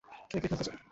কে কে খেলতে চাও?